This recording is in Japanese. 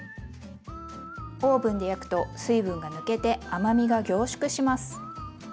オーブンで焼くと水分が抜けて甘みが凝縮します。